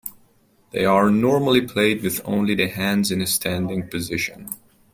They are normally played with only the hands in a standing position.